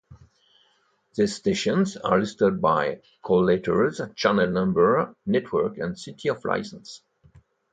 These stations are listed by call letters, channel number, network and city of license.